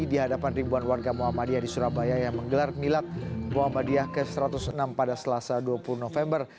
di hadapan ribuan warga muhammadiyah di surabaya yang menggelar milad muhammadiyah ke satu ratus enam pada selasa dua puluh november